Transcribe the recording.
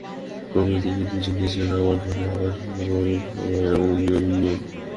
ক্রমে তিনি বুঝে নিয়েছিলেন আমার ঘরে অসময়ই সময় এবং অনিয়মই নিয়ম।